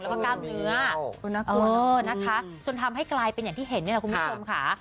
แล้วก็กล้ามเนื้อตัวเนอร์นะคะจนทำให้กลายเป็นอย่างที่เห็นนี่แหละคุณผู้ชมค่ะ